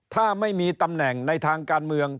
ถ้าไม่มีตำแหน่งในทางการเมือง